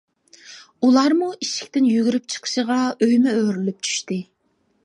ئۇلارمۇ ئىشىكتىن يۈگۈرۈپ چىقىشىغا ئۆيمۇ ئۆرۈلۈپ چۈشتى.